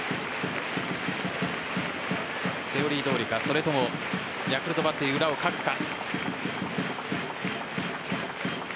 セオリーどおりかそれともヤクルトバッテリー裏をかくか。